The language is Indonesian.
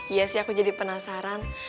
iya sih aku jadi penasaran